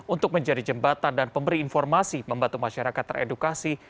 untuk menjadi jembatan dan pemberi informasi membantu masyarakat teredukasi